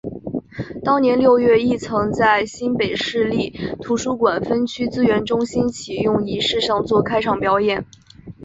当年六月亦曾在新北市立图书馆分区资源中心启用仪式上做开场表演。